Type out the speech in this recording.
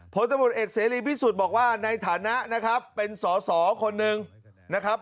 ผลตำรวจเอกเสรีพิสุทธิ์บอกว่าในฐานะนะครับเป็นสอสอคนหนึ่งนะครับ